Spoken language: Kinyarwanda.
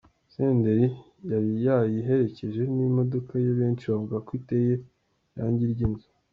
Senderi yari yayiherekeje nimodoka ye benshi bavuga ko iteye irangi ryinzu.